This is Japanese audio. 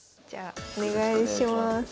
じゃあお願いします。